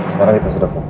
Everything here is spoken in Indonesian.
sekarang itu sudah kumpul